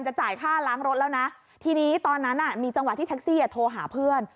จ่ายค่าล้างรถแล้วนะทีนี้ตอนนั้นมีจังหวะที่แท็กซี่โทรหาเพื่อน